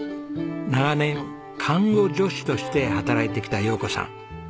長年看護助手として働いてきた洋子さん。